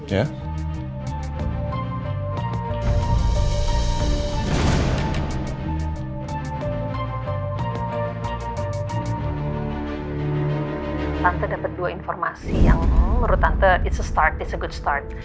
tante dapet dua informasi yang menurut tante it's a start it's a good start